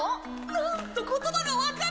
なんと言葉がわかる！